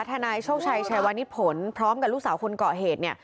ธนายโชคชัยชายวานิทธิ์ผลพร้อมกับลูกสาวคนเกาะเหตุ